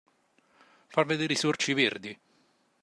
Far vedere i sorci verdi.